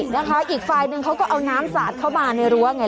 นะคะอีกฝ่ายหนึ่งเขาก็เอาน้ำสาดเข้ามาในรั้วไง